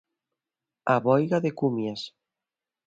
A Boiga de Cumias.